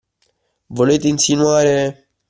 Volete insinuare?